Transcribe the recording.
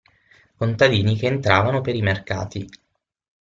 Contadini che entravano per i mercati.